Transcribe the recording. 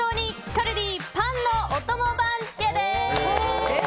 カルディパンのおとも番付です。